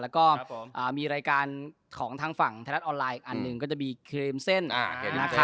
แล้วก็มีรายการของทางฝั่งไทยรัฐออนไลน์อีกอันหนึ่งก็จะมีเครมเส้น